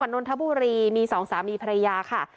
จังหวัดน้นทบุรีมี๒สามีภรรยาค่ะ